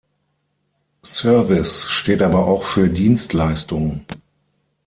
Service steht aber auch für Dienstleistung.